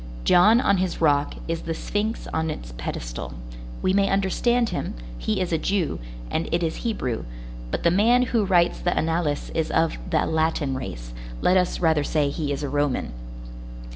John on his rock is the sphinx on its pedestal; we may understand him, he is a Jew, and it is Hebrew; but the man who writes the Annales is of the Latin race, let us rather say he is a Roman.